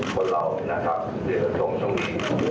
คนเรานะครับเดี๋ยวจะตรงตรงนี้